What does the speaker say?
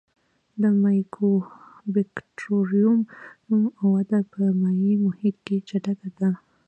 د مایکوبکټریوم وده په مایع محیط کې چټکه ده.